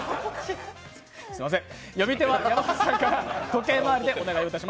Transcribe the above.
すみません！